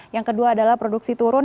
yang kedua adalah produksi turun